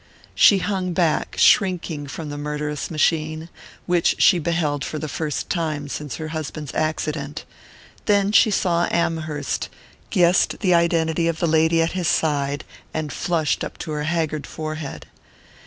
She hung back, shrinking from the murderous machine, which she beheld for the first time since her husband's accident; then she saw Amherst, guessed the identity of the lady at his side, and flushed up to her haggard forehead.